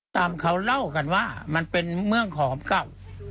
ตามเขาเล่ากันว่ามันเป็นเมืองหอมเก่า